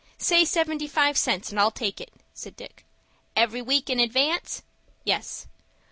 "Say seventy five cents, and I'll take it," said Dick. "Every week in advance?" "Yes."